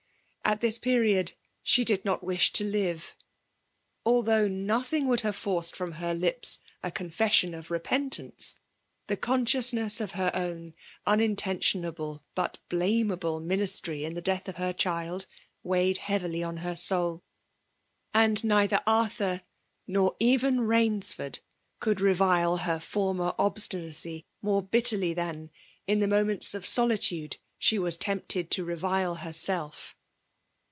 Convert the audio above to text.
At this period she did not wish to live. Al* though nothing would have forced from her lips a confession of repentance, the conscious^ ness of her own unintentional but blamable ministry in the death of her child, weighed heavily on her soul : and neither Arthur, nor even Rainsford, could revile her former ob ^ •tinacy more bitterly than, in moments of soli * tude, she was tempted to revile herself!